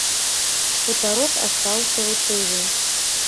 Хутарок астаўся ў тыле.